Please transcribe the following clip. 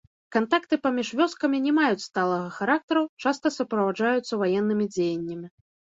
Кантакты паміж вёскамі не маюць сталага характару, часта суправаджаюцца ваеннымі дзеяннямі.